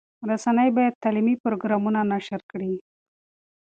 رسنۍ باید تعلیمي پروګرامونه نشر کړي.